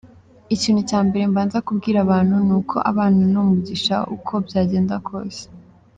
Ikintu cya mbere mbanza kubwira abantu ni uko abana ni umugisha uko byagenda kose.